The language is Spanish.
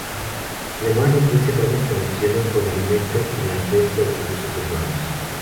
Además ofrece varias conexiones con el metro y la red de autobuses urbanos.